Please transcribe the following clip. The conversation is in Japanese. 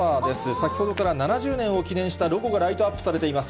先ほどから７０年を記念したロゴがライトアップされています。